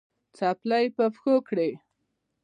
څپلۍ په پښو که